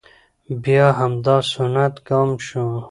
بیا همدا سنت عام شو،